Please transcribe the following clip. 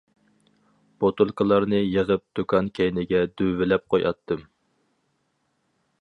بوتۇلكىلارنى يىغىپ دۇكان كەينىگە دۆۋىلەپ قوياتتىم.